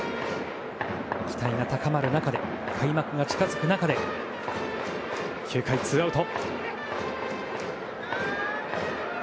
期待が高まる中で開幕が近づく中で９回ツーアウト。